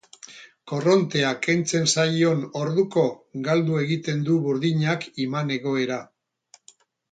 Korrontea kentzen zaion orduko, galdu egiten du burdinak iman-egoera.